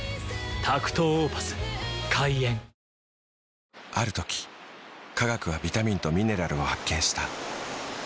ぷはーっある時科学はビタミンとミネラルを発見した。